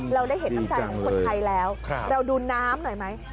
เราได้เห็นน้ำใจของคนไทยแล้วเราดูน้ำหน่อยไหม